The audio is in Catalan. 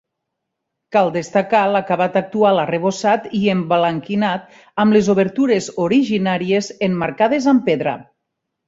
Cal destacar l'acabat actual arrebossat i emblanquinat, amb les obertures originàries emmarcades amb pedra.